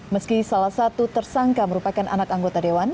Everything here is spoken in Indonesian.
meski salah satu tersangka merupakan anak anggota dewan